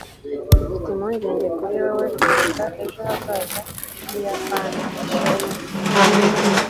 mfite impungenge kuri wewe kuruta ejo hazaza h'ubuyapani. (shoyren